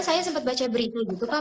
saya sempat baca berita gitu pak